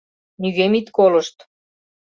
Нигӧм ит колышт.